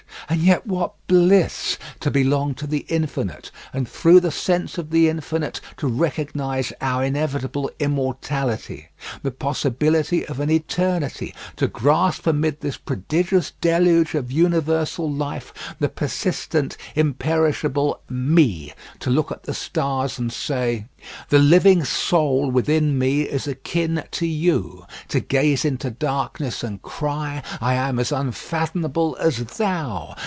And yet what bliss to belong to the Infinite, and through the sense of the Infinite to recognise our inevitable immortality, the possibility of an eternity; to grasp amid this prodigious deluge of universal life, the persistent, imperishable Me; to look at the stars and say, The living soul within me is akin to you; to gaze into darkness and cry, I am as unfathomable as thou!